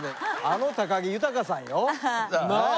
あの高木豊さんよなあ